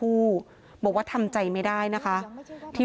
อยู่ดีมาตายแบบเปลือยคาห้องน้ำได้ยังไง